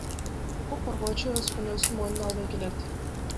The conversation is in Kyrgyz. Укук коргоочу өз күнөөсүн мойнуна албай келет.